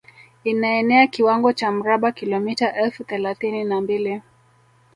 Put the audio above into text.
Inaenea kiwango cha mraba kilometa elfu thelathini na mbili